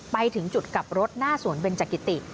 ไปถึงจุดกลับรถหน้าสวนเบนจักิติ